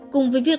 cùng với việc